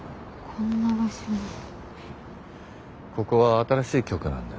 ここは新しい局なんでね。